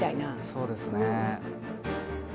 そうですね。